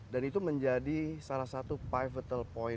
dan itu menjadi salah satu pivotal point